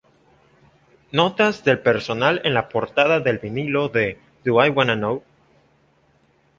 Notas del personal en la portada del vinilo de "Do I Wanna Know?